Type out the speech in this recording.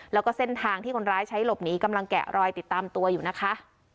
แล้วก็เส้นทางที่คนร้ายใช้หลบหนีกำลังแกะรอยติดตามตัวอยู่นะคะ